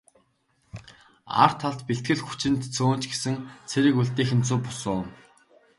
Ар талд бэлтгэл хүчинд цөөн ч гэсэн цэрэг үлдээх нь зөв бус уу?